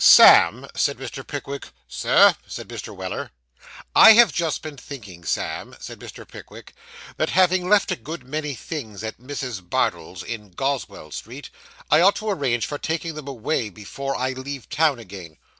'Sam,' said Mr. Pickwick. 'Sir,' said Mr. Weller. 'I have just been thinking, Sam,' said Mr. Pickwick, 'that having left a good many things at Mrs. Bardell's, in Goswell Street, I ought to arrange for taking them away, before I leave town again.